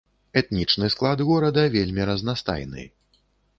Этнічны склад горада вельмі разнастайны.